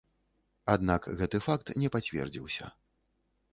Аднак гэты факт не пацвердзіўся.